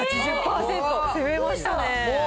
８０％、攻めましたね。